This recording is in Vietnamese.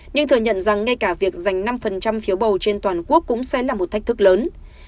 nhưng thừa nhận rằng ngay cả việc giành năm phiếu bầu trên toàn quốc cũng sẽ là một thách thức lớn